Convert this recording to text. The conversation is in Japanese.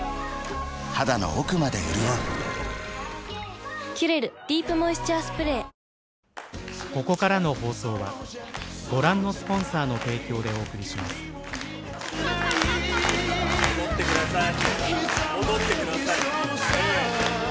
肌の奥まで潤う「キュレルディープモイスチャースプレー」戻ってください！